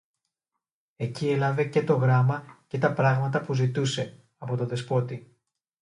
Εκεί έλαβε και το γράμμα και τα πράγματα που ζητούσε, από το Δεσπότη.